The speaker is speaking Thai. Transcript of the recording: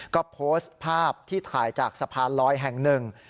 ก็โพสต์ภาพที่ถ่ายจากสะพานลอยแห่งหนึ่ง